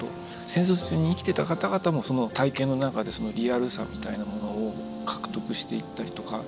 戦争中に生きてた方々もその体験の中でそのリアルさみたいなものを獲得していったりとか。